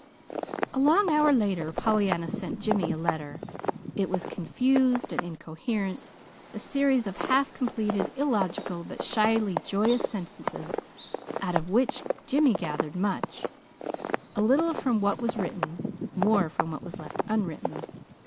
A long hour later Pollyanna sent Jimmy a letter. It was confused and incoherent a series of half completed, illogical, but shyly joyous sentences, out of which Jimmy gathered much: a little from what was written; more from what was left unwritten.